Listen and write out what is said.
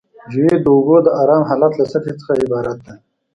جیوئید د اوبو د ارام حالت له سطحې څخه عبارت ده